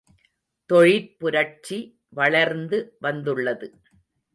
தொழிற்புரட்சி வளர்ந்து வந்துள்ளது.